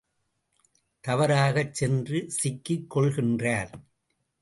தவறாகச் சென்று சிக்கிக் கொள்கின்றார்.